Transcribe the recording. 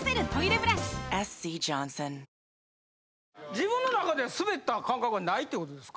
自分の中ではスベった感覚はないってことですか？